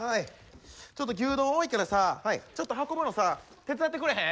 ちょっと牛丼多いからさちょっと運ぶのさ手伝ってくれへん？